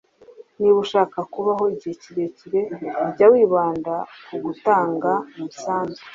niba ushaka kubaho igihe kirekire, jya wibanda ku gutanga umusanzu